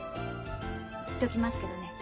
言っときますけどね